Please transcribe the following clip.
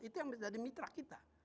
itu yang menjadi mitra kita